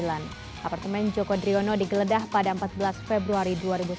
apartemen joko driono digeledah pada empat belas februari dua ribu sembilan belas